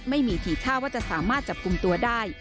ไม่มีทีท่าว่าจะสามารถจับกลุ่มตัวได้